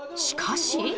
しかし。